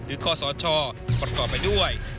หรือข้อสอชอบต่อไปด้วย